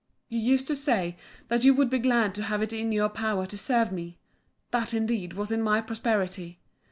You used to say, that you would be glad to have it in your power to serve me. That, indeed, was in my prosperity.